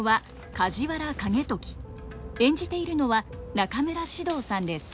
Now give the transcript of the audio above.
演じているのは中村獅童さんです。